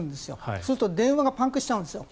そうすると電話がパンクしちゃうんですよ。